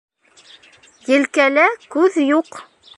Елкәлә күҙ юҡ.